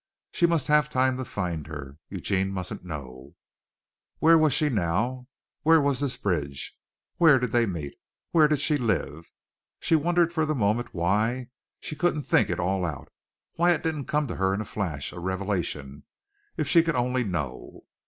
She must have time to find her. Eugene mustn't know. Where was she now? Where was this bridge? Where did they meet? Where did she live? She wondered for the moment why she couldn't think it all out, why it didn't come to her in a flash, a revelation. If she could only know!